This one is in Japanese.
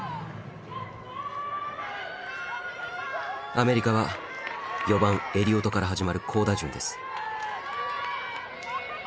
アメリカは４番エリオトから始まる好打順です。